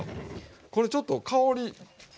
これちょっと香り。